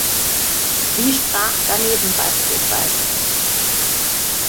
Sie sprach daneben bspw.